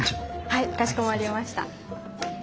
はいかしこまりました。